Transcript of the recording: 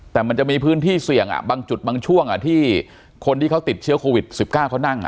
แต่มันจะมีพื้นที่เสี่ยงบางจุดบางช่วงที่คนที่เขาติดเชื้อโควิด๑๙เขานั่ง